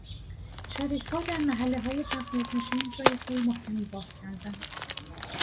چریکها در محلههای فقیرنشین جای پای محکمی باز کردند.